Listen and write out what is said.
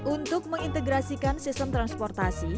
untuk mengintegrasikan sistem transportasi